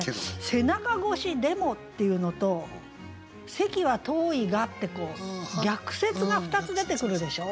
「背中越しでも」っていうのと「席は遠いが」って逆説が２つ出てくるでしょ。